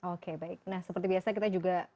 oke baik nah seperti biasa kita juga